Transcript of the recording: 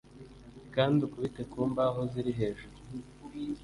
Kandi ukubite ku mbaho ziri hejuru